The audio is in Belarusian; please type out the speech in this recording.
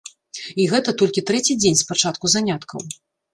І гэта толькі трэці дзень з пачатку заняткаў.